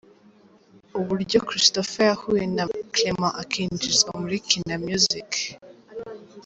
Uburyo Christopher yahuye na Clement akinjizwa muri Kina Music.